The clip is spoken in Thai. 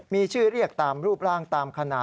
มีชื่อเรียกตามรูปร่างตามขณะ